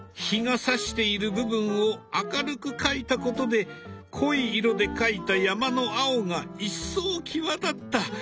日がさしている部分を明るく描いたことで濃い色で描いた山の青が一層際立った。